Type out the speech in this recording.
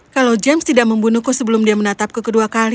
kalau james tidak membunuhku sebelum dia menatapku kedua kali